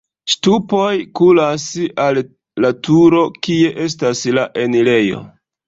Ŝtupoj kuras al la turo, kie estas la enirejo.